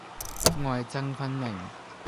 愛憎分明